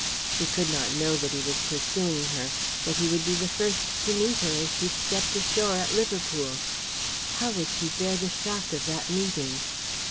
She could not know that he was pursuing her that he would be the first to meet her as she stepped ashore at Liverpool. How would she bear the shock of that meeting?